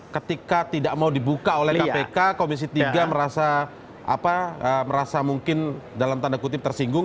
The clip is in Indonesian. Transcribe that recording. ketika tidak mau dibuka oleh kpk komisi tiga merasa mungkin dalam tanda kutip tersinggung